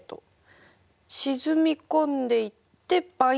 沈み込んでいってバイン！